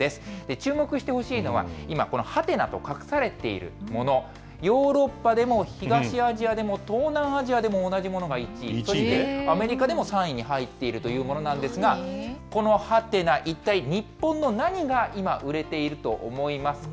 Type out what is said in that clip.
注目してほしいのは、今、このはてなと隠されているもの、ヨーロッパでも、東アジアでも、東南アジアでも同じものが１位で、アメリカでも３位に入っているというものなんですが、このはてな、一体日本の何が今、売れていると思いますか？